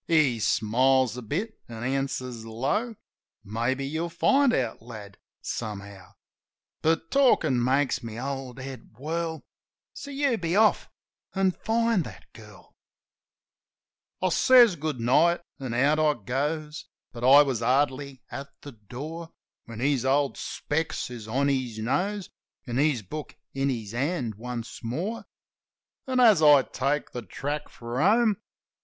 He smiles a bit an' answers low, "Maybe you'll find out, lad, somehow. But talkin' makes my old head whirl ; So you be off, an' — find that girl." OLD BOB BLAIR 53 I says Good night, an' out I goes; But I was hardly at the door When his old specs is on his nose, An' his book in his hand once more; An', as I take the track for home.